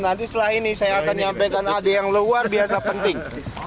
nanti setelah ini saya akan menyampaikan ada yang luar biasa penting